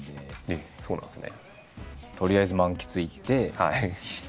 えっそうなんですね。